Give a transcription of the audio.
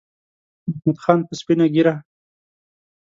محمود خان په سپینه ګیره